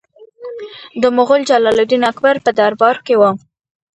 د مغول جلال الدین اکبر په دربار کې و.